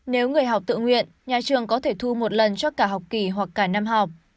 nếu người học tự nguyện nhà trường có thể thu một lần cho cả học kỳ hoặc cả năm học